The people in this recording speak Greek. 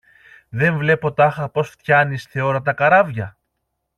Δε βλέπω τάχα πως φτιάνεις θεόρατα καράβια;